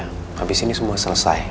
habis ini semua selesai